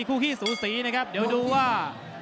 ขี้สูสีนะครับเดี๋ยวดูว่า